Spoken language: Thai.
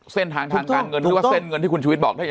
เส้นทางทางการเงินหรือว่าเส้นเงินที่คุณชุวิตบอก